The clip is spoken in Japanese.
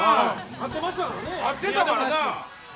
勝ってたからな。